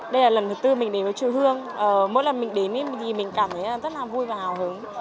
đây là lần thứ tư mình đến với triều hương mỗi lần mình đến thì mình cảm thấy rất là vui và hào hứng